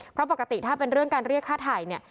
เพราะปกติถ้าเป็นเรื่องการเรียกค่าถ่ายเนี่ย